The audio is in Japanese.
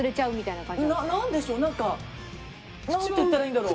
なんでしょうなんかなんて言ったらいいんだろう？